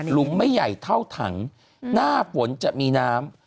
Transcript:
ลุมไม่ใหญ่เท่าถังหน้าฝนจะมีน้ำ